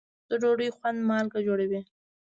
د ډوډۍ خوند مالګه جوړوي.